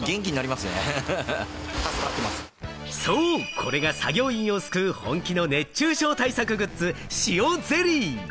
これが作業員を救う本気の熱中症対策グッズ・しおゼリー。